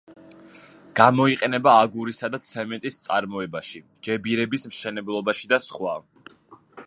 გამოიყენება აგურისა და ცემენტის წარმოებაში, ჯებირების მშენებლობაში და სხვა.